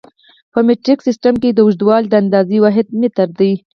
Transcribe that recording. په مټریک سیسټم کې د اوږدوالي د اندازې واحد متر دی.